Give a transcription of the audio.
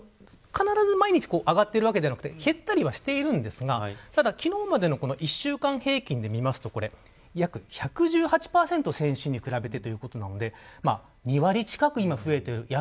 必ず毎日上がっているわけではなくて減ったりはしているんですがただ昨日までの１週間平均でみると約１１８％先週に比べてということなので２割近く今、増えている。